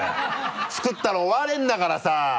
作ったら終われるんだからさ！